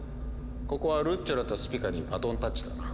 ここはルッチョラとスピカにバトンタッチだな。